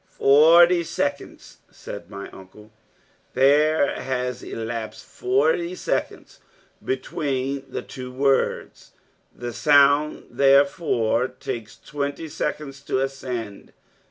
.......... "Forty seconds," said my uncle. "There has elapsed forty seconds between the two words. The sound, therefore, takes twenty seconds to ascend.